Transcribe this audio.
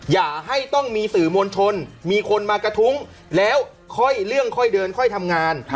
อย่าให้ต้องมีสื่อมวลชนมีคนมากระทุ้งแล้วค่อยเรื่องค่อยเดินค่อยทำงาน